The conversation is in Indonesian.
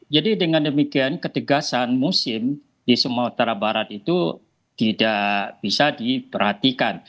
jadi dengan demikian ketegasan musim di sumatera barat itu tidak bisa diperhatikan